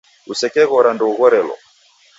Usekeghora ndoughorelo